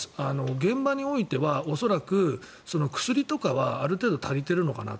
現場においては恐らく薬とかはある程度、足りているのかなと。